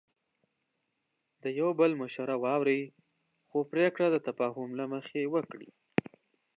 د یو بل مشوره واورئ، خو پریکړه د تفاهم له مخې وکړئ.